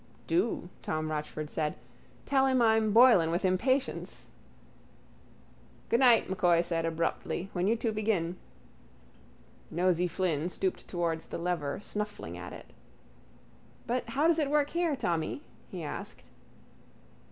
—Do, Tom Rochford said. Tell him I'm Boylan with impatience. —Goodnight, M'Coy said abruptly. When you two begin... Nosey Flynn stooped towards the lever, snuffling at it. —But how does it work here, Tommy? he asked.